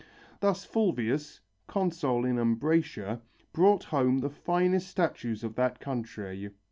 Thus Fulvius, consul in Ambracia, brought home the finest statues of that country.